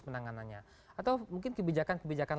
penanganannya atau mungkin kebijakan kebijakan